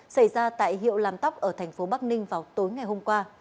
xảy ra tại hiệu làm tóc ở thành phố bắc ninh vào tối ngày hôm qua